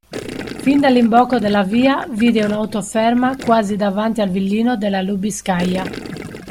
Fin dall'imbocco della via, vide un'auto ferma quasi davanti al villino della Lubiskaja.